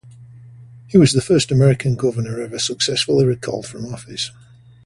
He was the first American governor ever successfully recalled from office.